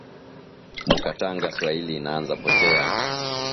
Mukatanga swahili inaanza potea